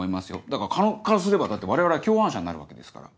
だから狩野からすれば我々は共犯者になるわけですから。